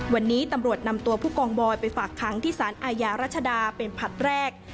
วันนี้ตำรวจนำตัวผู้กองบอยไปฝากค้างที่สารอาญารัชดาเป็นผลัดแรก